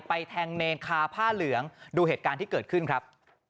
แทงเนรคาผ้าเหลืองดูเหตุการณ์ที่เกิดขึ้นครับ